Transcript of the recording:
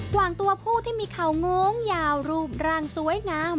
ว่างตัวผู้ที่มีเขาโง้งยาวรูปร่างสวยงาม